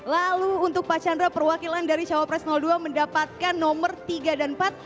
lalu untuk pak chandra perwakilan dari cawapres dua mendapatkan nomor tiga dan empat